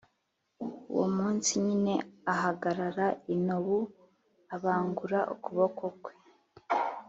Uwo munsi nyine ahagarara i Nobu, abangura ukuboko kwe,